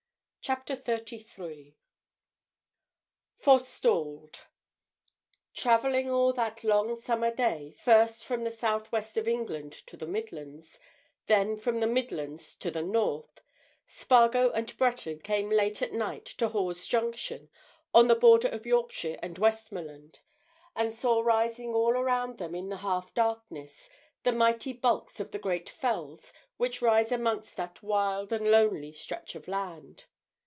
CHAPTER THIRTY THREE FORESTALLED Travelling all that long summer day, first from the south west of England to the Midlands, then from the Midlands to the north, Spargo and Breton came late at night to Hawes' Junction, on the border of Yorkshire and Westmoreland, and saw rising all around them in the half darkness the mighty bulks of the great fells which rise amongst that wild and lonely stretch of land.